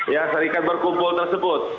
ya serikat berkumpul tersebut